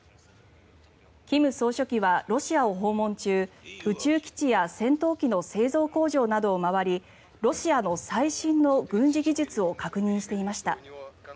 金総書記はロシアを訪問中宇宙基地や戦闘機の製造工場などを回りロシアの最新の軍事技術を確認していました。